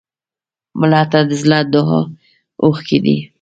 مړه ته د زړه دعا اوښکې دي